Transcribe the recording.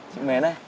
chị mến này